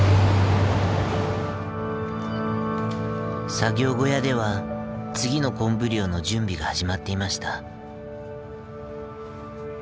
作業小屋では次のコンブ漁の準備が始まっていました。